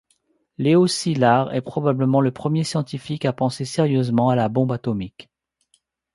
Leó Szilárd est probablement le premier scientifique à penser sérieusement à la bombe atomique.